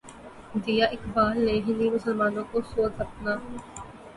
دیا اقبالؔ نے ہندی مسلمانوں کو سوز اپنا